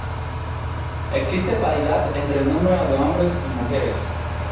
Existe paridad entre el número de hombre y de mujeres.